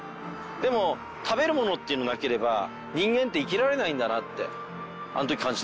でも食べるものっていうのがなければ人間って生きられないんだなってあの時感じたんですね。